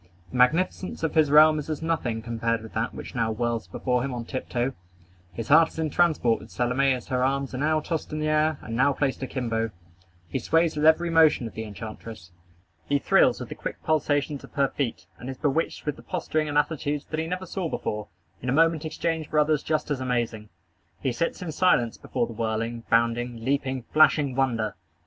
The magnificence of his realm is as nothing compared with that which now whirls before him on tiptoe. His heart is in transport with Salome as her arms are now tossed in the air, and now placed akimbo. He sways with every motion of the enchantress. He thrills with the quick pulsations of her feet, and is bewitched with the posturing and attitudes that he never saw before, in a moment exchanged for others just as amazing. He sits in silence before the whirling, bounding, leaping, flashing wonder.